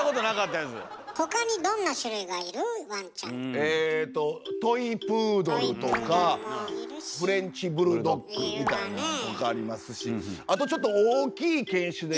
えとトイ・プードルとかフレンチ・ブルドッグみたいなのとかありますしあとちょっと大きい犬種で。